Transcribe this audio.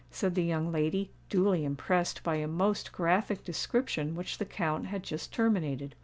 said the young lady, duly impressed by a most graphic description which the Count had just terminated.